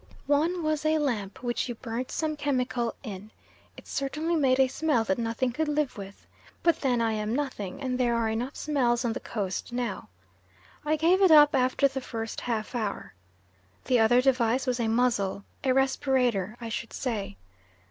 One was a lamp which you burnt some chemical in; it certainly made a smell that nothing could live with but then I am not nothing, and there are enough smells on the Coast now. I gave it up after the first half hour. The other device was a muzzle, a respirator, I should say.